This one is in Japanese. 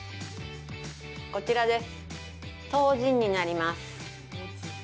こちらです。